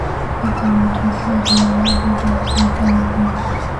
It then took part in the battle for Ternopil'.